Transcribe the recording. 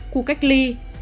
cụ cách ly